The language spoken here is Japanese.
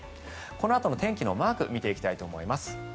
このあとの天気のマーク見ていきたいと思います。